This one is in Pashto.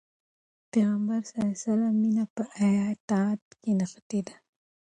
د پيغمبر ﷺ مینه په اطاعت کې نغښتې ده.